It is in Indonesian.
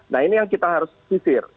nah ini yang kita harus sisir